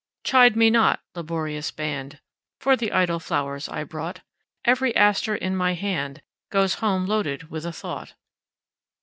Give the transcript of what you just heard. Chide me not, laborious band, For the idle flowers I brought; Every aster in my handGoes home loaded with a thought.